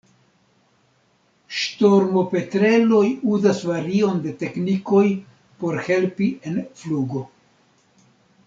Ŝtormopetreloj uzas varion de teknikoj por helpi en flugo.